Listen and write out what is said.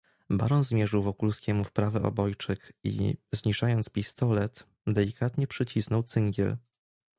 "Baron zmierzył Wokulskiemu w prawy obojczyk i, zniżając pistolet, delikatnie przycisnął cyngiel."